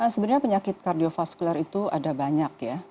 sebenarnya penyakit kardiofaskular itu ada banyak ya